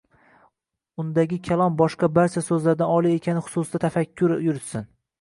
undagi kalom boshqa barcha so‘zlardan oliy ekani xususida tafakkur yuritsin”